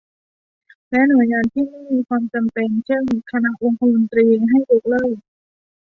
และหน่วยงานที่ไม่มีความจำเป็น เช่น คณะองคมนตรี ให้ยกเลิก